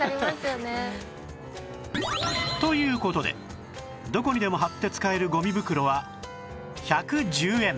という事でどこにでも貼って使えるゴミ袋は１１０円